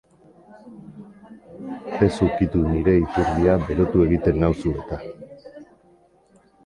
Ez ukitu nire ipurdia berotu egiten nauzu eta.